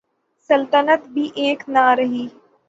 سلطنت بھی ایک نہ رہی۔